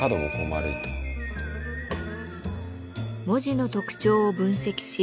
文字の特徴を分析し